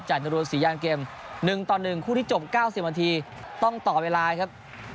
จรวนศรียางเกม๑ต่อ๑คู่ที่จบ๙๐นาทีต้องต่อเวลาครับ